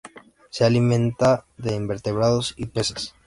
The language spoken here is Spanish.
Se alimenta de invertebrados y peces.